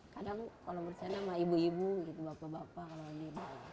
kadang kalau bercanda sama ibu ibu gitu bapak bapak kalau gitu